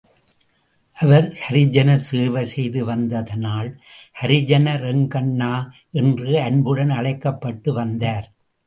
அவர் ஹரிஜன சேவை செய்து வந்ததனால் ஹரிஜன ரெங்கண்ணா என்று அன்புடன் அழைக்கப்பட்டு வந்தார்.